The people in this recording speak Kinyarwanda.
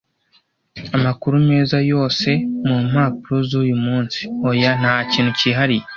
"Amakuru meza yose mu mpapuro z'uyu munsi?" "Oya, nta kintu cyihariye."